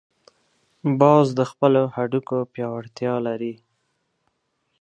باز د خپلو هډوکو پیاوړتیا لري